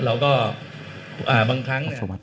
แล้วก็บางครั้ง